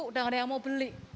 sudah tidak ada yang mau beli